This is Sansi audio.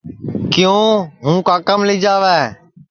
کیوں ہوں کاکام لجاوے